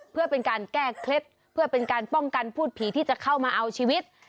เพื่อเป็นการแก้เคล็ดเพื่อเป็นการป้องกันพูดผีที่จะเข้ามาเอาชีวิต